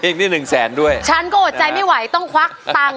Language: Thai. อีกนี่หนึ่งแสนด้วยฉันก็อดใจไม่ไหวต้องควักตังค์